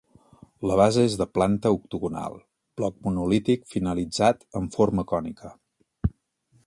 La base és de planta octogonal, bloc monolític finalitzat en forma cònica.